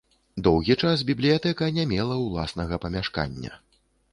Доўгі час бібліятэка не мела ўласнага памяшкання.